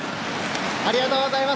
ありがとうございます。